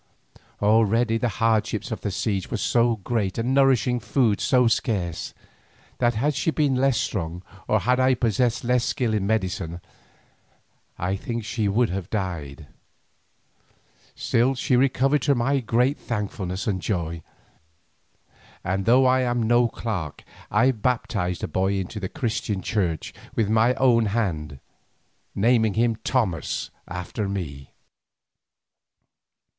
Already the hardships of the siege were so great and nourishing food so scarce, that had she been less strong, or had I possessed less skill in medicine, I think that she would have died. Still she recovered to my great thankfulness and joy, and though I am no clerk I baptized the boy into the Christian Church with my own hand, naming him Thomas after me.